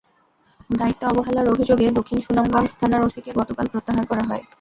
দায়িত্বে অবহেলার অভিযোগে দক্ষিণ সুনামগঞ্জ থানার ওসিকে গতকাল প্রত্যাহার করা হয়।